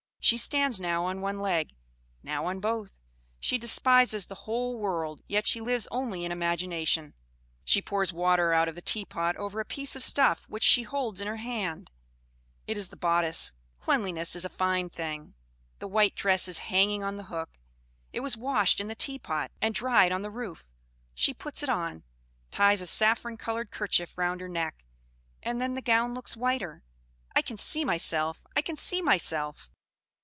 She stands now on one leg, now on both; she despises the whole world; yet she lives only in imagination. She pours water out of the teapot over a piece of stuff which she holds in her hand; it is the bodice; cleanliness is a fine thing. The white dress is hanging on the hook; it was washed in the teapot, and dried on the roof. She puts it on, ties a saffron colored kerchief round her neck, and then the gown looks whiter. I can see myself I can see myself!"